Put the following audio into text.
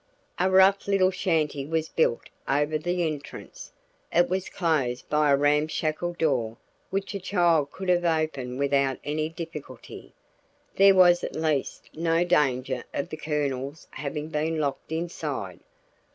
A rough little shanty was built over the entrance. It was closed by a ramshackle door which a child could have opened without any difficulty; there was at least no danger of the Colonel's having been locked inside.